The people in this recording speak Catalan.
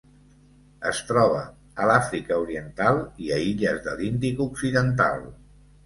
Es troba a l'Àfrica Oriental i a illes de l'Índic occidental.